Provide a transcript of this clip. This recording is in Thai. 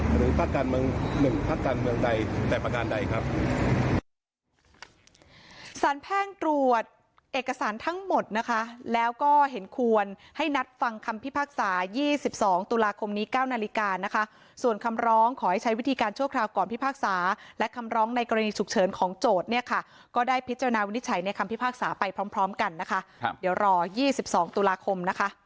หรือภาคการเมือง๑พักการเมืองใดแต่ประการใดครับ